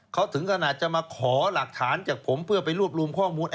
เขาถึงขนาดจะมาขอหลักฐานจากผมเพื่อไปรวบรวมข้อมูล